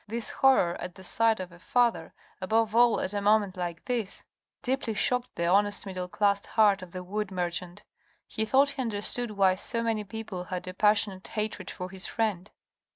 This horror at the sight of a father, above all at a moment like this, deeply shocked the honest middle class heart of the wood merchant. He thought he understood why so many people had a pas sionate hatred for his friend.